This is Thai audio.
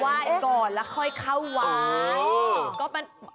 ไหว้ก่อนแล้วค่อยเข้าวัด